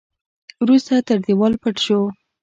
وروسته تر دېوال پټ شو.